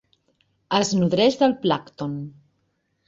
Es nodreix de plàncton.